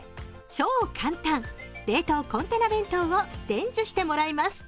超簡単、冷凍コンテナ弁当を伝授してもらいます。